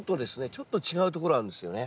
ちょっと違うところあるんですよね。